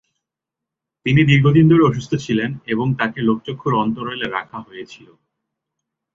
তিনি দীর্ঘদিন ধরে অসুস্থ ছিলেন এবং তাঁকে লোকচক্ষুর অন্তরালে রাখা হয়েছিল।